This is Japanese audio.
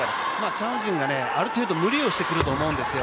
チャン・ウジンがある程度、無理をしてくると思うんですよ。